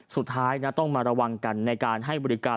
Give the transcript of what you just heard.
สุดท้ายต้องมาระวังกันในการให้บริการ